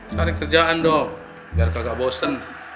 cari kerjaan dong biar kagak bosen